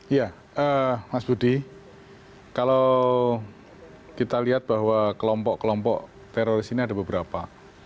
iya mas budi kalau kita lihat bahwa kelompok kelompok teroris ini ada beberapa